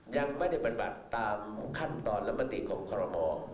ยังไม่ได้บรรบัดตามขั้นตอนละมติของคม